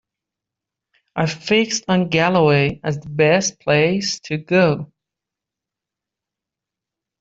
I fixed on Galloway as the best place to go.